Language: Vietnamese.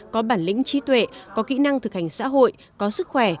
có bản lĩnh trí tuệ có kỹ năng thực hành xã hội có sức khỏe